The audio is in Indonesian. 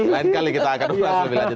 lain kali kita akan ulas lebih lanjut